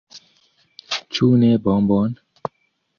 Ĉu ne bombon?